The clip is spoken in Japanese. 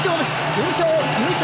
優勝優勝！